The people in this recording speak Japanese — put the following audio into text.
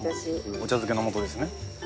お茶漬けの素ですね。